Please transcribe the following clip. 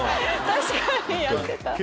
確かにやってた！